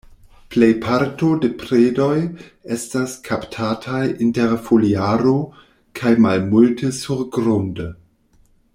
Plejparto de predoj estas kaptataj inter foliaro, kaj malmulte surgrunde.